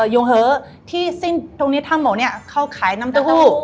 ยงเหที่ทั้งหมดเขาขายน้ำต้นหู